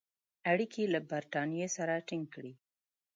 اړیکي له برټانیې سره تینګ کړي.